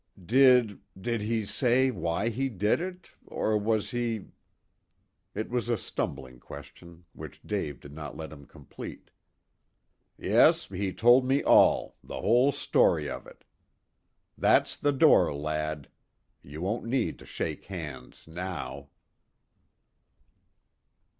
"Did did he say why he did it or was he " It was a stumbling question, which Dave did not let him complete. "Yes, he told me all the whole story of it. That's the door, lad. You won't need to shake hands now."